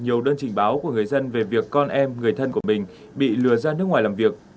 nhiều đơn trình báo của người dân về việc con em người thân của mình bị lừa ra nước ngoài làm việc